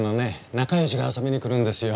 仲良しが遊びに来るんですよ。